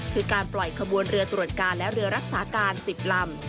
คือการปล่อยขบวนเรือตรวจการและเรือรักษาการ๑๐ลำ